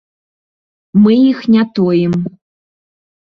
Мы іх не тоім.